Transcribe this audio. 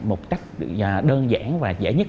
một cách đơn giản và dễ nhất